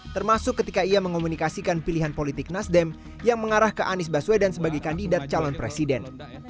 termasuk ketika ia mengkomunikasikan pilihan politik nasdem yang mengarah ke anies baswedan sebagai kandidat calon presiden